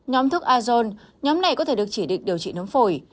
nhóm thuốc azon nhóm này có thể được chỉ định điều trị nấm phổi